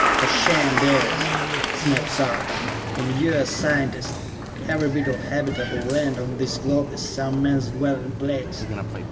"For shame, Dalis!" snapped Sarka, "and you a scientist! Every bit of habitable land on this globe is some man's dwelling place!